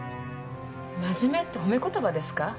真面目って褒め言葉ですか？